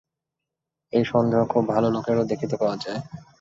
এই সন্দেহ খুব ভাল লোকেরও দেখিতে পাওয়া যায়।